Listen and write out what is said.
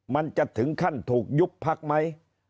มันจะถึงขั้นถูกยุบพักไหม